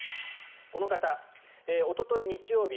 この方はおととい日曜日